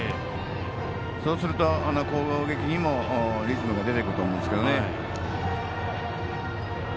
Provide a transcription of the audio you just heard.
そうすると、攻撃にもリズムが出てくると思うんですけどね。